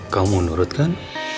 kamu nurut kan